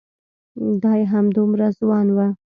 دای همدومره ځوان و.